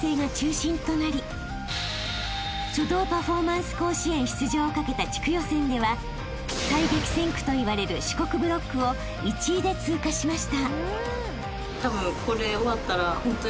［書道パフォーマンス甲子園出場をかけた地区予選では最激戦区と言われる四国ブロックを１位で通過しました］